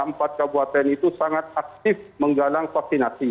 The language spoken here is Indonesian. empat kabupaten itu sangat aktif menggalang vaksinasi